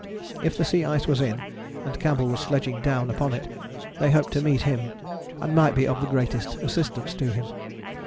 If the sea ice was in, and Campbell was sledging down upon it, they hoped to meet him and might be of the greatest assistance to him.